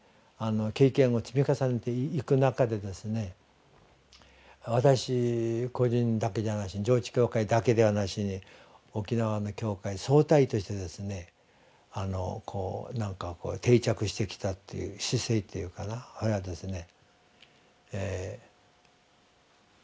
経験を積み重ねていく中で私個人だけじゃなしに上地教会だけではなしに沖縄の教会総体としてですね定着してきたっていう姿勢っていうかなそれはですね。